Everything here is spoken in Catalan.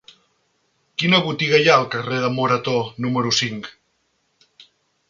Quina botiga hi ha al carrer de Morató número cinc?